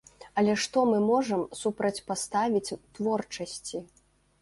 Але што мы можам супрацьпаставіць творчасці?